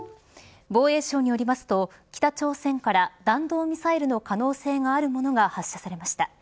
防衛省によりますと北朝鮮から弾道ミサイルの可能性があるものが発射されました。